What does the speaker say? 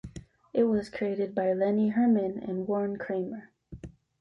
It was created by Lennie Herman and Warren Kremer.